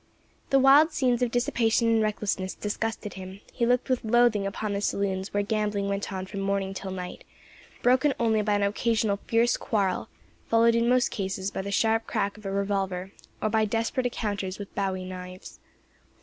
The wild scenes of dissipation and recklessness disgusted him; he looked with loathing upon the saloons where gambling went on from morning till night, broken only by an occasional fierce quarrel, followed in most cases by the sharp crack of a revolver, or by desperate encounters with bowie knives.